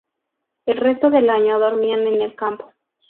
El resto del año dormían en el campo.